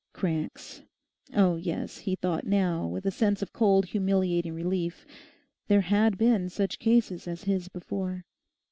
Cranks... Oh yes, he thought now, with a sense of cold humiliating relief, there had been such cases as his before.